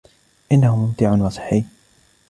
إنهُ مُمتع وصحي.